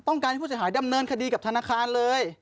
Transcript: การให้ผู้เสียหายดำเนินคดีกับธนาคารเลย